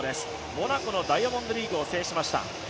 モナコのダイヤモンドリーグを制しました。